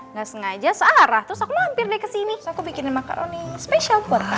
nggak sengaja searah terus aku hampir deh kesini aku bikinin makaroni